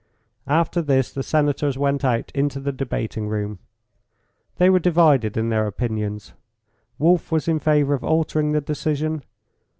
After this the Senators went out into the debating room. They were divided in their opinions. Wolf was in favour of altering the decision.